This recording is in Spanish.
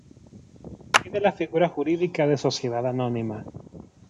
Tiene la figura jurídica de Sociedad Anónima.